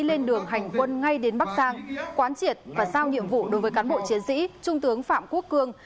lên đường hành quân ngay đến bắc giang quán triệt và giao nhiệm vụ đối với cán bộ chiến sĩ trung tướng phạm quốc cương